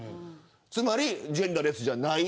つまりジェンダーレスじゃない。